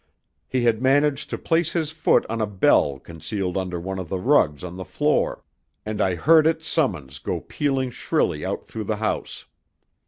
He had managed to place his foot on a bell concealed under one of the rugs on the floor, and I heard its summons go pealing shrilly out through the house.